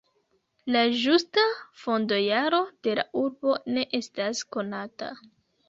La ĝusta fondo-jaro de la urbo ne estas konata.